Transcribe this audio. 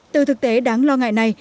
từ thực tế đáng lo ngại này